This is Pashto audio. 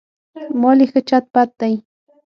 مال یې ښه چت پت دی.